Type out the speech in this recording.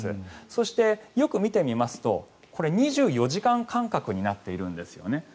そして、よく見てみますと２４時間間隔になっているんですよね。